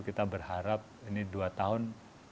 kita berharap ini dua tahun